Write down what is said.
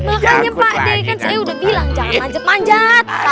makanya pak d kan saya udah bilang jangan manjat manjat